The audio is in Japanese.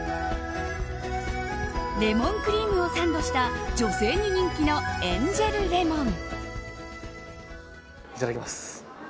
レモンクリームをサンドした女性に人気のエンジェルレモン。